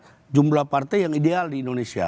sampai kita kepada jumlah partai yang ideal di indonesia